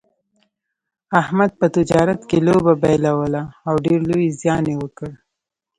احمد په تجارت کې لوبه بایلوله او ډېر لوی زیان یې وکړ.